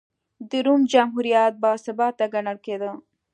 د روم جمهوریت باثباته ګڼل کېده.